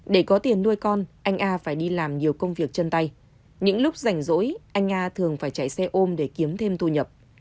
để có tiền nuôi con anh a phải đi làm nhiều công việc chân tay những lúc rảnh rỗi anh nga thường phải chạy xe ôm để kiếm thêm thu nhập